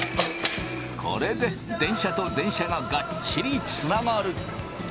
これで電車と電車がガッチリつながる。